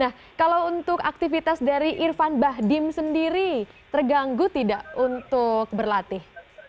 nah kalau untuk aktivitas dari irfan bahdim sendiri terganggu tidak untuk berlatih